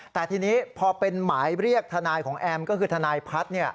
แต่ทีนี้พอเป็นหมายเรียกทนายของแอมก็คือทนายพัฒน์